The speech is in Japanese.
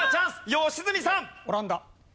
良純さん！